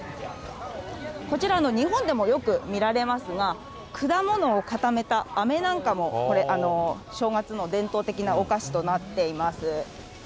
こちら、日本でもよく見られますが、果物を固めたあめなんかも、これ、正月の伝統的なお菓子となっています。